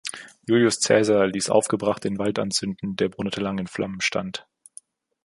Julius Cäsar ließ aufgebracht den Wald anzünden, der Monate lang in Flammen stand.